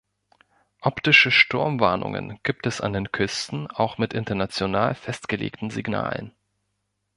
Optische Sturmwarnungen gibt es an den Küsten auch mit international festgelegten Signalen.